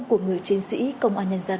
của người chiến sĩ công an nhân dân